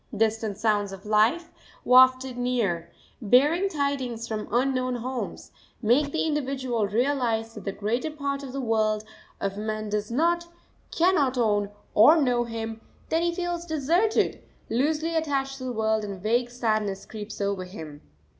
Distant sounds of life, wafted near, bearing tidings from unknown homes, make the individual realise that the greater part of the world of men does not, cannot own or know him; then he feels deserted, loosely attached to the world, and a vague sadness creeps over him.